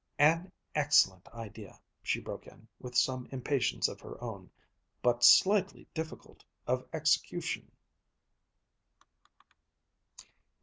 "An excellent idea," she broke in, with some impatience of her own. "But slightly difficult of execution."